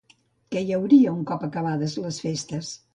Què hi hauria un cop acabades les festes?